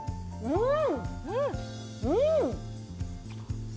うん！